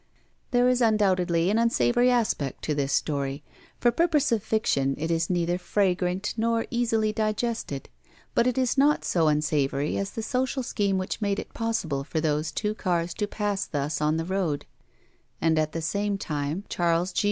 There is undoubtedly an unsavory aspect to this story. For purpose of fiction, it is neither fragrant nor easily digested. But it is not so unsavory as the social scheme which made it possible for those two cars to pass thus on the road, and, at the same time, Charles G.